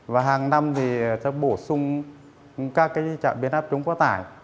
và hàng năm thì sẽ bổ sung các trạm biến áp chống quá tải